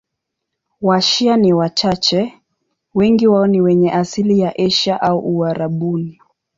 Washia ni wachache, wengi wao ni wenye asili ya Asia au Uarabuni.